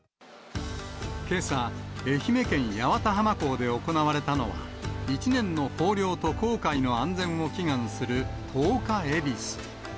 けさ、愛媛県八幡浜港で行われたのは、一年の豊漁と航海の安全を祈願する十日えびす。